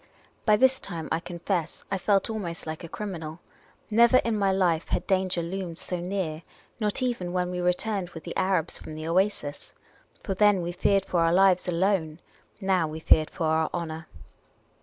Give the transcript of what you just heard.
By this time, I confess, I felt almost like a criminal. Never in my life had danger loomed so near — not even when we returned with the Arabs from the oasis. For then we feared for our lives alone ; now, we feared for our honour.